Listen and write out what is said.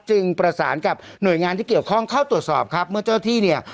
ประสานกับหน่วยงานที่เกี่ยวข้องเข้าตรวจสอบครับเมื่อเจ้าที่เนี่ย